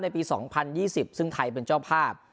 ในปีสองพันยี่สิบซึ่งไทยเป็นเจ้าภาพ